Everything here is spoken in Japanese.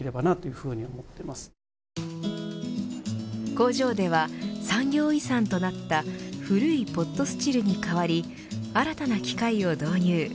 工場では産業遺産となった古いポットスチルに変わり新たな機械を導入。